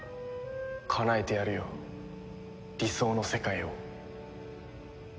かなえてやるよ理想の世界を。